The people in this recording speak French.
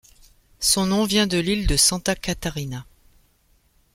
Son nom vient de l'île de Santa Catarina.